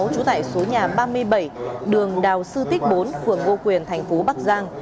trú tại số nhà ba mươi bảy đường đào sư tích bốn phường ngô quyền thành phố bắc giang